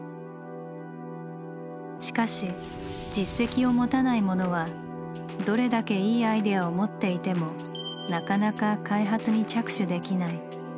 しかし実績を持たない者はどれだけいいアイデアを持っていてもなかなか開発に着手できない。